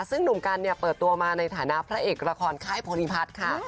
ซึ่งหนุ่มกันเนี่ยเปิดตัวมาในฐานะพระเอกละครค่ายโพลิพัฒน์ค่ะ